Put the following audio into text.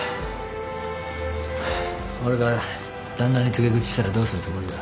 俺が旦那に告げ口したらどうするつもりだ？